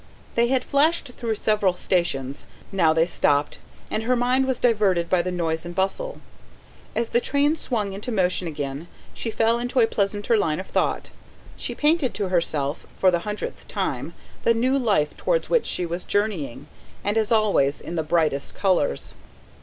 They had flashed through several stations; now they stopped; and her mind was diverted by the noise and bustle. As the train swung into motion again, she fell into a pleasanter line of thought. She painted to herself, for the hundredth time, the new life towards which she was journeying, and, as always, in the brightest colours.